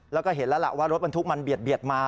แล้วก็เห็นแล้วล่ะว่ารถบรรทุกมันเบียดมา